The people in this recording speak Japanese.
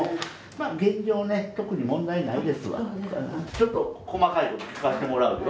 ちょっと細かいこと聞かしてもらうよ。